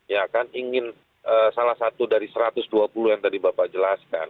ya kan ingin salah satu dari satu ratus dua puluh yang tadi bapak jelaskan